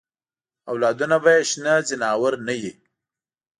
اولادونه به یې شنه ځناور نه وي.